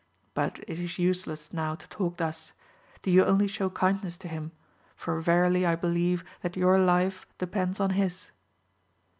But it is useless now to talk thus ; do you only shew kindness to him, for verily I believe that your life depends on his.